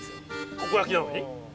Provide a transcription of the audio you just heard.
たこ焼きなのに？